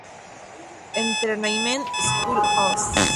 Entertainment, "School Oz".